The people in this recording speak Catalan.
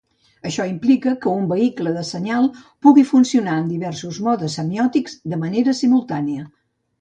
Això implica que un vehicle de senyal pugui funcionar en diversos modes semiòtics de manera simultània.